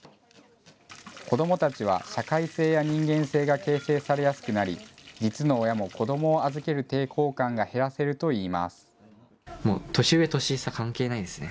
子どもたちは社会性や人間性が形成されやすくなり実の親も、子どもを預ける抵抗感が減らせるといいます。